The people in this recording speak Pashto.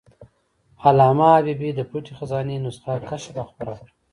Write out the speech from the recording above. علامه حبیبي د "پټه خزانه" نسخه کشف او خپره کړه.